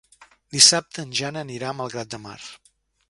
Dissabte en Jan anirà a Malgrat de Mar.